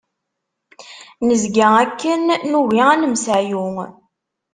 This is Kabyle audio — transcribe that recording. Nezga akken, nugi ad nemseɛyu.